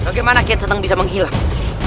bagaimana kian setengah bisa menghilang